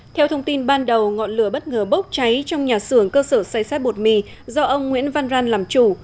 theo thông tin ban đầu ngọn lửa bất ngờ bốc cháy trong nhà xưởng cơ sở say sát bột mì do ông nguyễn văn răn làm chủ